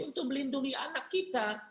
untuk melindungi anak kita